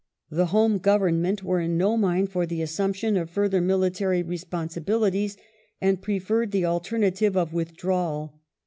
The Home Government were hi no mind for the assumption of further military responsibilities, and preferred the alternative of withdrawal.